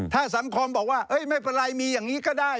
ถ้าสังคมบอกว่าไม่เป็นไรมีอย่างนี้ก็ได้